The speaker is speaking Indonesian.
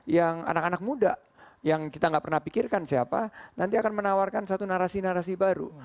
yang anak anak muda yang kita nggak pernah pikirkan siapa nanti akan menawarkan satu narasi narasi baru